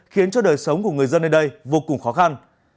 khiến cho đời sống của người dân ở đây vô cùng khó khăn